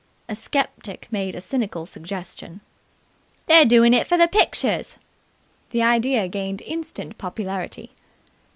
A sceptic made a cynical suggestion. "They're doin' of it for the pictures." The idea gained instant popularity.